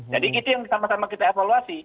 jadi itu yang sama sama kita evaluasi